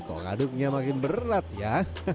kok ngaduknya makin berat ya